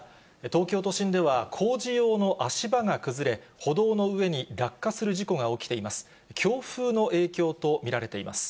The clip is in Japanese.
東京都心では工事用の足場が崩れ、歩道の上に落下する事故が起きています。